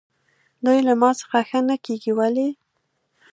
دوی له ما څخه ښه نه کېږي، ولې؟